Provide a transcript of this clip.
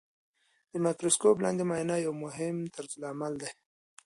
د مایکروسکوپ لاندې معاینه یو مهم طرزالعمل دی.